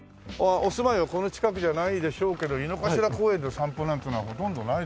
お住まいはこの近くじゃないでしょうけど井の頭公園で散歩なんてのはほとんどないでしょ？